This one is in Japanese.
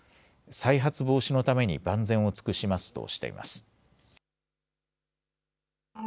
再発防止のために万全を尽くしますとしています。